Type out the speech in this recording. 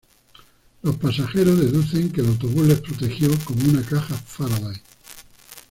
Los pasajeros deducen que el autobús les protegió como una caja Faraday.